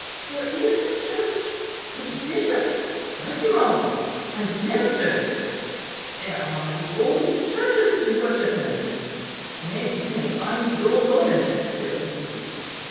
There is a Church with bishops like your own, and ministers; there are the old churches to worship in nay, you may find the old ornaments still in use.